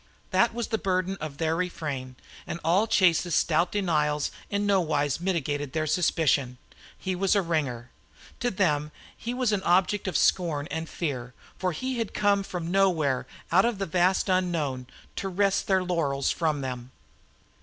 That was the burden of their refrain, and all Chase's stout denials in no wise mitigated their suspicion. He was a "ringer." To them he was an object of scorn and fear, for he had come from somewhere out of the vast unknown to wrest their laurels from them.